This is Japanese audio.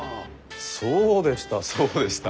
そうでしたそうでした。